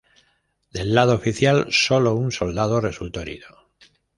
Del lado oficial solo un soldado resultó herido.